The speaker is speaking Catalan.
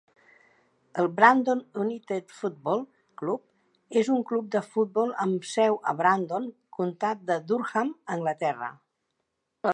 El Brandon United Football Club és un club de futbol amb seu a Brandon, comtat de Durham, Anglaterra.